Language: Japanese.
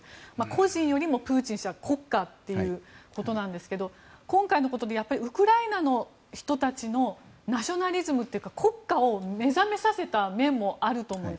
個人よりもプーチン氏は国家ということなんですけど今回のことでウクライナの人たちのナショナリズムっていうか国家を目覚めさせた面もあると思う。